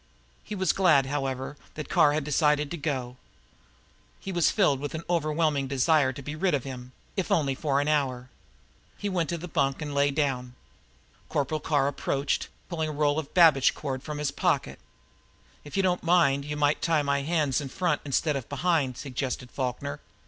He was glad, however, that Carr had decided to go. He was, filled with an overwhelming desire to be rid of him, if only for an hour. He went to the bunk and lay down. Corporal Carr approached, pulling a roll of babiche cord from his pocket. "If you don't mind you might tie my hands in front instead of behind," suggested Falkner.